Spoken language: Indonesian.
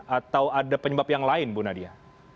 atau ada penyebab yang lain bu nadia